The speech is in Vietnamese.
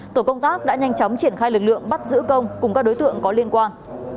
tổ công tác đã nhanh chóng triển khai lực lượng bắt giữ công cùng các đối tượng có liên quan